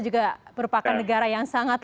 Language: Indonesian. juga merupakan negara yang sangat